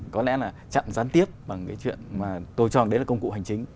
có lẽ là chặn gián tiếp bằng cái chuyện mà tôi cho đấy là công cụ hành chính